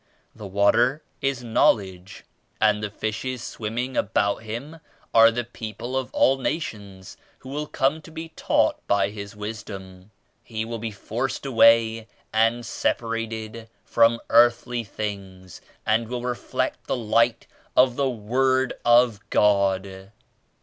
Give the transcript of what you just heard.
The water 88 is Knowledge and the fishes swimming about Him are the people of all nations who will come to be taught by His Wisdom. He will be forced away and separated from earthly things and will reflect the Light of the Word of God.'